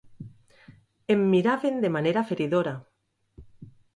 Em miraven de manera feridora.